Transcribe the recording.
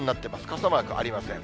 傘マークありません。